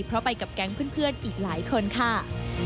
เพราะไปกับแก๊งเพื่อนอีกหลายคนค่ะ